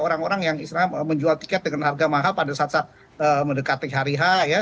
orang orang yang menjual tiket dengan harga mahal pada saat saat mendekati hari h ya